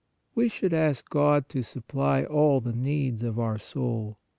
We should ask God to supply all the needs of our soul.